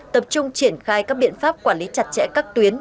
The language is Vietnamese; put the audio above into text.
tập trung triển khai các biện pháp quản lý chặt chẽ các tuyến